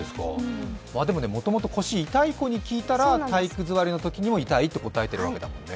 でも、もともと腰の痛い子に聞いたら体育座りのときにも痛いと答えているわけだよね。